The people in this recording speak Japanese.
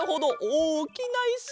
おおきないしか。